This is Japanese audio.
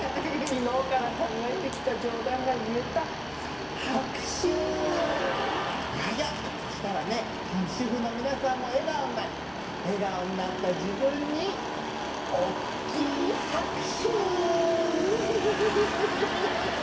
昨日から考えてきた冗談が言えた拍手ややっそしたらね今日の主婦の皆さんも笑顔になれて笑顔になった自分におっきい拍手フフフフ